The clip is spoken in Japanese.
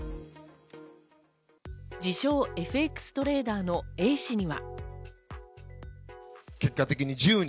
自称・ＦＸトレーダーのＡ氏には。